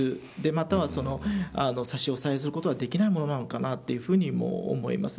または差し押さえすることができないものなのかなというふうにも思います。